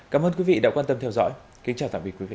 cảm ơn quý vị đã quan tâm theo dõi kính chào tạm biệt quý vị